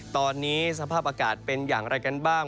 ตอนนี้สภาพอากาศเป็นอย่างไรกันบ้าง